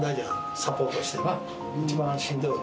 サポートしてな、一番しんどい思